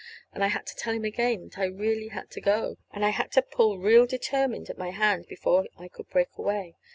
And I had to tell him again that I really had to go; and I had to pull real determined at my hand, before I could break away.